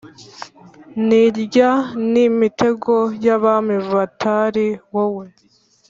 ni rya ni imitego y’abami batari wowe,